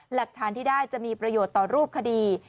หลักฐานที่ได้จะมีประโยชน์ต่อรูปคดี